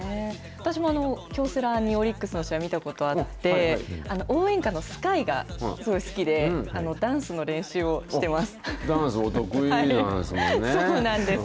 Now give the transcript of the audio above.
私も京セラに、オリックスの試合、見たことあって、応援歌のスカイがすごい好きで、ダンスの練習をしてます。